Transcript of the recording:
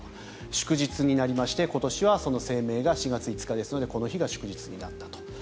祝日になりまして今年はその清明が４月５日ですのでこの日が祝日になったと。